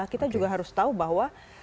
kita juga harus tahu bahwa